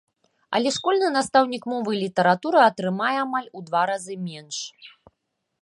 Але школьны настаўнік мовы і літаратуры атрымае амаль у два разы менш!